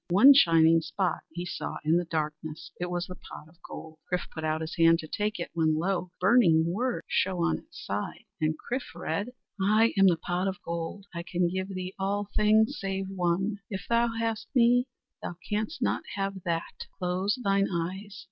One shining spot he saw in the darkness. It was the pot of gold. Chrif put out his hand to take it, when lo! burning words shone on its side. And Chrif read: "I am the Pot of Gold; I can give thee all things save one. If thou hast me, thou canst not have that. Close thine eyes.